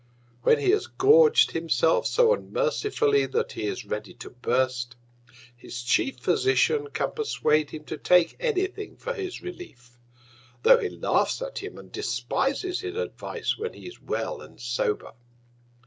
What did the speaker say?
When he has gorg'd himself so unmercifully that he is ready to burst, his chief Physician can persuade him to take any Thing for his Relief; tho' he laughs at him, and despises his Advice when he's well and sober.